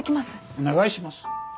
お願いします。